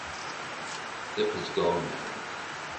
It has gone now.